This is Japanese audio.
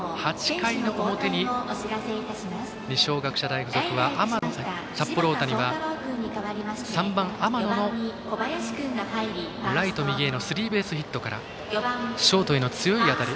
８回の表に札幌大谷は３番、天野のライト右へのスリーベースヒットからショートへの強い当たり。